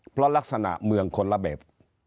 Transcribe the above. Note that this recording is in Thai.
เพราะลักษณะเมืองคนละแบบ